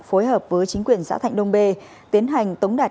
phối hợp với chính quyền xã thạnh đông bê tiến hành tống đạt